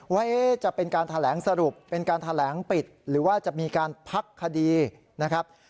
ว่าจะเป็นการแถลงสรุปเป็นการแถลงปิดหรือว่าจะมีการพักคดีนะครับ